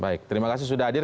baik terima kasih sudah hadir